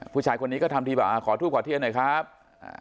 ผู้ชายคนนี้ก็ทำทีแบบอ่าขอทูบขอเทียนหน่อยครับ